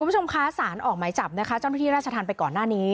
คุณผู้ชมคะสารออกหมายจับนะคะเจ้าหน้าที่ราชธรรมไปก่อนหน้านี้